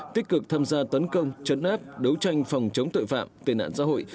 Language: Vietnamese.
tích cực tham gia tấn công chấn áp đấu tranh phòng chống tội phạm tên ạn xã hội